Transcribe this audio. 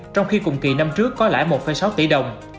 trong khi cùng kỳ năm trước có lãi một sáu tỷ đồng